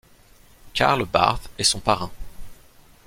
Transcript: Karl Barth est son parrain.